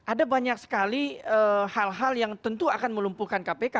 ada banyak sekali hal hal yang tentu akan melumpuhkan kpk